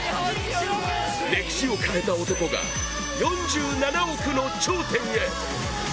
歴史を変えた男が４７億の頂点へ。